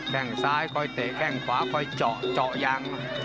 แค่งซ้ายคอยเตะแข้งขวาคอยเจาะเจาะยัง